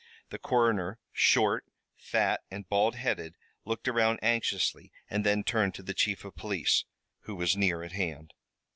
The coroner, short, fat and bald headed, looked around anxiously and then turned to the chief of police, who was near at hand.